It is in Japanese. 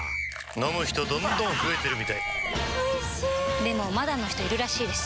飲む人どんどん増えてるみたいおいしでもまだの人いるらしいですよ